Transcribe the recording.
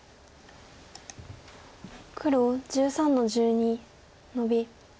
黒１３の十二ノビ。